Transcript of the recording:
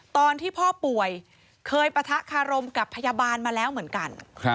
ตอนที่พ่อป่วยเคยปะทะคารมกับพยาบาลมาแล้วเหมือนกัน